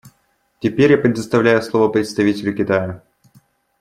Теперь я предоставляю слово представителю Китая.